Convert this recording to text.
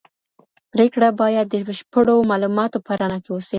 پرېکړه باید د بشپړو معلوماتو په رڼا کي وسي.